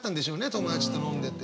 友達と飲んでて。